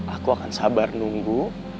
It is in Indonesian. aku akan sabar nunggu